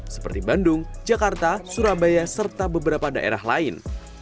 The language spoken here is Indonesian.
seperti bandung jakarta surabaya serta beberapa daerah lain